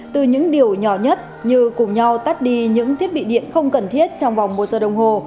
từ những điều nhỏ nhất như cùng nhau tắt đi những thiết bị điện không cần thiết trong vòng một giờ đồng hồ